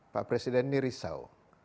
pak presiden ini risau